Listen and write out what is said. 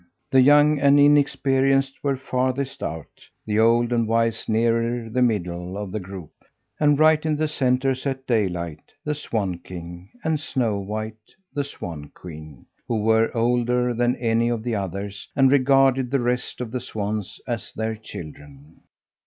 The young and inexperienced were farthest out, the old and wise nearer the middle of the group, and right in the centre sat Daylight, the swan king, and Snow White, the swan queen, who were older than any of the others and regarded the rest of the swans as their children.